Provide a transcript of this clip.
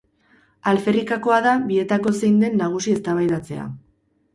Alferrikakoa da bietako zein den nagusi eztabaidatzea.